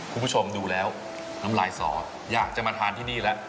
คุณผู้ชมดูแล้วน้ำลายสออยากจะมาทานที่นี่แล้ว